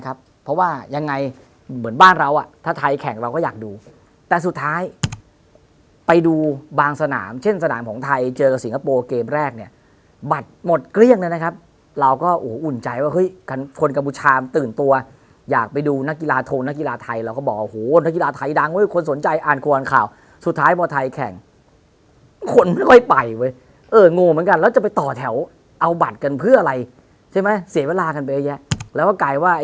ครับเพราะว่ายังไงเหมือนบ้านเราอ่ะถ้าไทยแข่งเราก็อยากดูแต่สุดท้ายไปดูบางสนามเช่นสนามของไทยเจอกับสิงคโปร์เกมแรกเนี่ยบัตรหมดเกลี้ยงเลยนะครับเราก็โอ้อุ่นใจว่าเฮ้ยคนกับบุชามตื่นตัวอยากไปดูนักกีฬาโทนนักกีฬาไทยเราก็บอกโหนักกีฬาไทยดังเว้ยคนสนใจอ่านความข่าวสุดท้ายหมอไทย